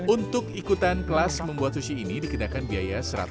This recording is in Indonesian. untuk ikutan kelas membuat sushi ini dikenakan biaya satu ratus lima puluh ribu rupiah